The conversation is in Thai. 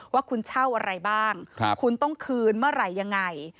ว่าคุณเช่าอะไรบ้างคุณต้องคืนเมื่อไหร่ยังไง